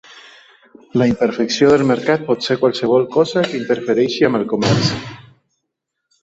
La imperfecció del mercat pot ser qualsevol cosa que interfereixi amb el comerç.